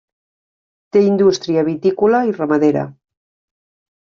Té indústria vitícola i ramadera.